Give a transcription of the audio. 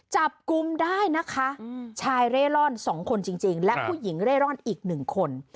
จับกุมได้นะคะชายเร่ร่อนสองคนจริงจริงและผู้หญิงเร่ร่อนอีกหนึ่งคน